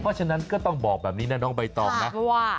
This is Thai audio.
เพราะฉะนั้นก็ต้องบอกแบบนี้นะน้องใบตองนะ